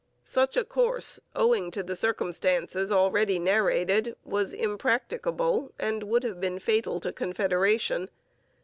Such a course, owing to the circumstances already narrated, was impracticable and would have been fatal to Confederation.